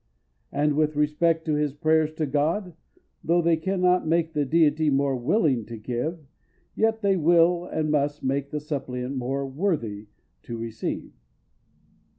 And with respect to his prayers to God, though they can not make the Deity more willing to give, yet they will, and must, make the suppliant more worthy to receive.